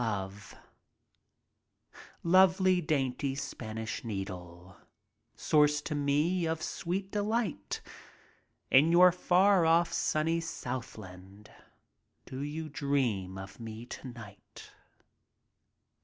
Lovely, dainty Spanish Needle; Source to me of sweet delight, In your far off sunny southland Do you dream of me to night?